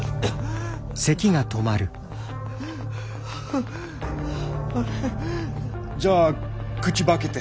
ああれ？じゃあ口ば開けて！